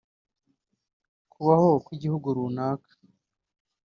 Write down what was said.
kubaho kw’igihugu runaka